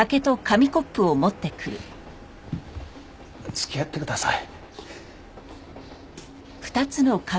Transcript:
付き合ってください。